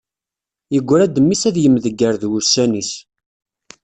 Yegra-d mmi-s ad yemdegger d wussan-is.